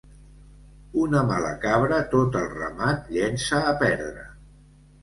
Una mala cabra tot el ramat llença a perdre.